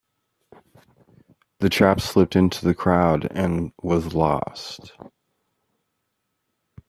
The chap slipped into the crowd and was lost.